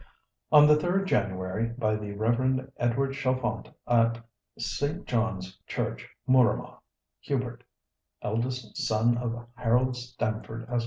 "On the 3rd January, by the Rev. Edward Chalfont, at St. John's Church, Mooramah, Hubert, eldest son of Harold Stamford, Esq.